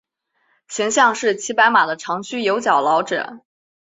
形象是骑白马的长须有角老者。